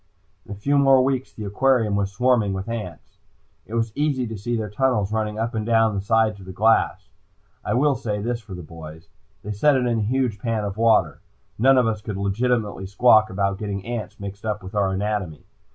In a few more weeks the aquarium was swarming with ants. It was easy to see their tunnels running up and down the sides of the glass. I will say this for the boys. They set it in a huge pan of water. None of us could legitimately squawk about getting ants mixed up with our anatomy.